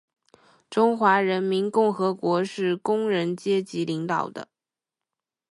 中华人民共和国是工人阶级领导的